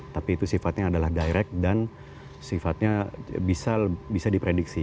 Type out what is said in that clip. tapi itu sifatnya adalah direct dan sifatnya bisa diprediksi